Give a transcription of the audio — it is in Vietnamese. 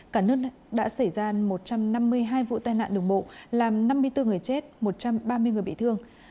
cả nước đã xảy ra một trăm năm mươi hai vụ tai nạn đường bộ làm năm mươi bốn người chết một trăm ba mươi người bị thương